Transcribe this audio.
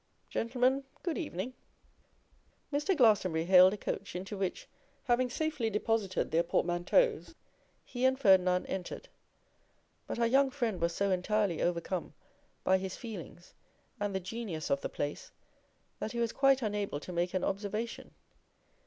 Gentlemen, good evening!' Mr. Glastonbury hailed a coach, into which, having safely deposited their portmanteaus, he and Ferdinand entered; but our young friend was so entirely overcome by his feelings and the genius of the place, that he was quite unable to make an observation.